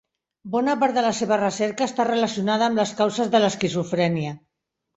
Bona part de la seva recerca està relacionada amb les causes de l'esquizofrènia.